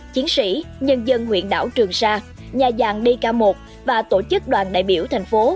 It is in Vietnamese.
chiến sĩ nhân dân huyện đảo trường sa nhà giàng dk một và tổ chức đoàn đại biểu thành phố